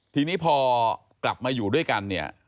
ทีนี้พอกลับมาอยู่ด้วยกันเนี่ย